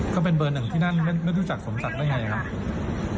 ก็เป็นเบอร์หนึ่งที่นั่นไม่รู้จักสมศักดิ์ได้ไงครับ